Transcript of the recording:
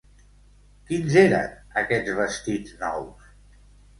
Quins eren aquests vestits nous?